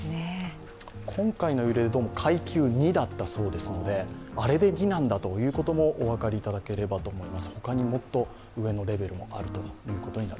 今回の揺れは階級２だったそうなのであれで２なんだということもお分かりいただければと思います。